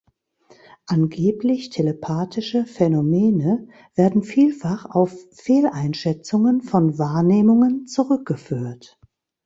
Angeblich telepathische Phänomene werden vielfach auf Fehleinschätzungen von Wahrnehmungen zurückgeführt.